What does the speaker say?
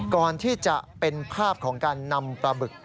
ก่อนที่จะเป็นภาพของการนำปลาบึก